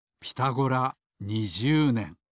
「ピタゴラ」２０ねん。